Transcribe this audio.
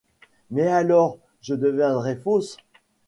Mais alors je deviendrai fausse.